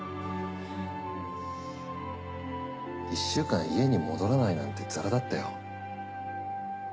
１週間家に戻らないなんてザラだったよ。